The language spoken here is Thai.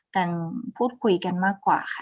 กันพูดคุยกันมากกว่าค่ะ